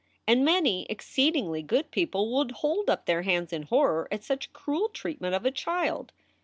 And many exceedingly good people would hold up their hands in horror at such cruel treatment of a child.